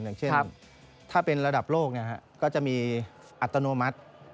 อย่างเช่นถ้าเป็นระดับโลกก็จะมีอัตโนมัติ